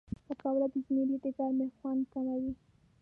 پکورې د زمري د ګرمۍ خوند کموي